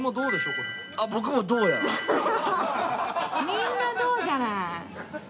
みんな銅じゃない。